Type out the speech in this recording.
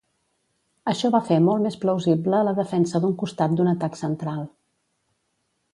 Això va fer molt més plausible la defensa d'un costat d'un atac central.